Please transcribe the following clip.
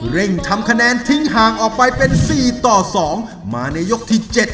เร่งทำคะแนนทิ้งห่างออกไปเป็น๔ต่อ๒มาในยกที่๗